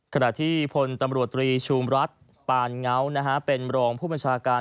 ขณะที่พลตำรวจตรีชูมรัฐปานเงาเป็นรองผู้บัญชาการ